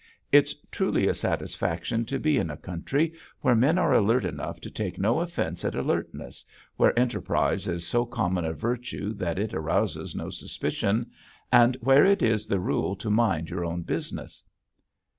It's truly a satisfaction to be in a country where men are alert enough to take no offense at alertness, where enterprise is so common a virtue that it arouses no suspicion, and where it is the rule to mind your own business.